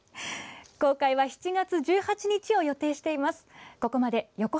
公開は７月１８日を予定しています。